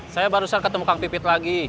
saya barusan ketemu kang pipit lagi